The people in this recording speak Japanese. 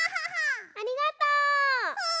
ありがとう！